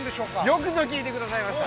◆よくぞ聞いてくださいました！